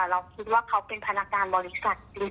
เราคิดว่าเขาเป็นพนักงานบริษัทจริง